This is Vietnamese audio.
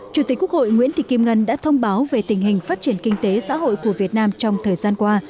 chủ tịch quốc hội nguyễn thị kim ngân đã thông báo về tình hình phát triển kinh tế xã hội của việt nam trong thời gian qua